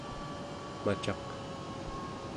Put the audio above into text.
macaq